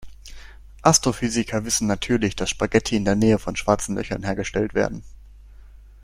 Astrophysiker wissen natürlich, dass Spaghetti in der Nähe von Schwarzen Löchern hergestellt werden.